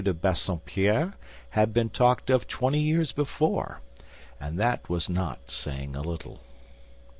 de Bassompierre had been talked of twenty years before, and that was not saying a little.